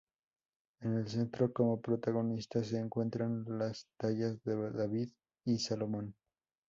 En el centro, como protagonistas, se encuentran las tallas de "David" y "Salomón".